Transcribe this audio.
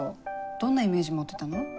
どんなイメージ持ってたの？